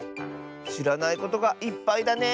しらないことがいっぱいだね。